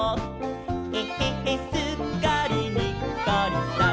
「えへへすっかりにっこりさん！」